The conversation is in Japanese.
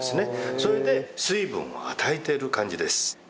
それで水分を与えている感じです。